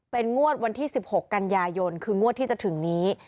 เป็นงวดวันที่๑๖กันยายนคืองวดที่จะถึงนี้